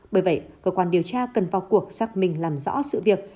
bởi vậy cơ quan điều tra cần vào cuộc xác minh làm rõ sự việc